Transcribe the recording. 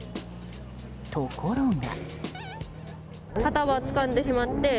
ところが。